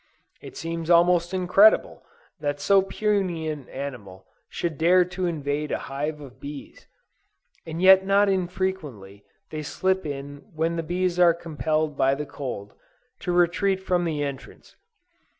It seems almost incredible that so puny an animal should dare to invade a hive of bees; and yet not unfrequently they slip in when the bees are compelled by the cold to retreat from the entrance.